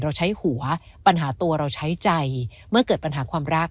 เราใช้หัวปัญหาตัวเราใช้ใจเมื่อเกิดปัญหาความรัก